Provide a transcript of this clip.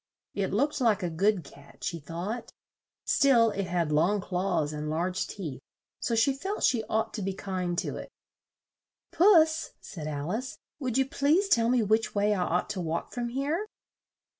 It looked like a good cat, she thought; still it had long claws and large teeth, so she felt she ought to be kind to it. "Puss," said Al ice, "would you please tell me which way I ought to walk from here?"